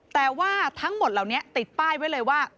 แต่ว่าทั้งหมดเหล่านี้ติดป้ายไว้เลยว่า